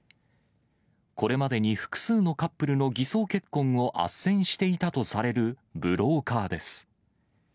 これまでに複数のカップルの偽装結婚をあっせんしていたとされるブローカーです。